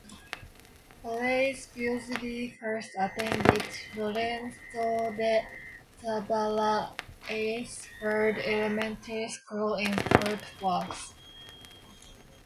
Horace Busby first attended "Lorenzo de Zavala Eighth Ward Elementary School" in Fort Worth.